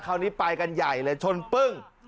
คราวนี้ไปกันใหญ่เลยชนปึ้ง